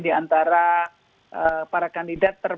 di antara para kandidat